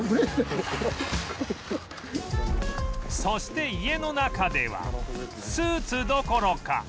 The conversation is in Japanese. そして家の中ではスーツどころか